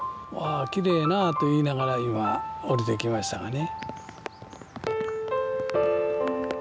きれいなと言いながら今降りてきましたがね。